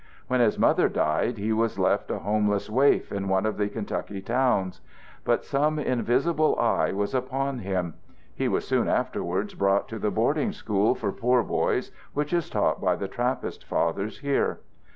When his mother died he was left a homeless waif in one of the Kentucky towns. But some invisible eye was upon him. He was soon afterwards brought to the boarding school for poor boys which is taught by the Trappist fathers here.